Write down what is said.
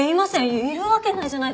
いるわけないじゃないですか。